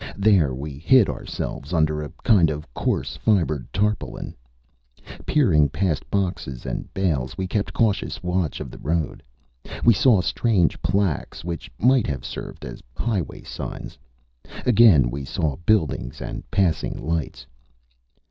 There we hid ourselves under a kind of coarse fibered tarpaulin. Peering past boxes and bales, we kept cautious watch of the road. We saw strange placques, which might have served as highway signs. Again we saw buildings and passing lights.